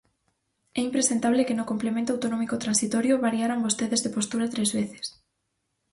É impresentable que no complemento autonómico transitorio variaran vostedes de postura tres veces.